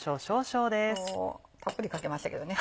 たっぷりかけましたけどね。